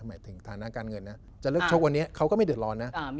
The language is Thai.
หมายถึงฐานะการเงินนะจะเลิกชกวันนี้เขาก็ไม่เดือดร้อนนะ